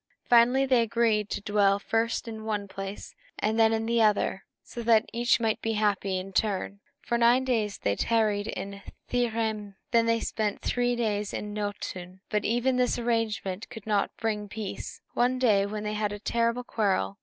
Finally, they agreed to dwell first in one place, then in the other, so that each might be happy in turn. For nine days they tarried in Thrymheim, and then they spent three in Noatûn. But even this arrangement could not bring peace. One day they had a terrible quarrel.